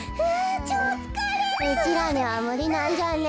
うちらにはむりなんじゃね？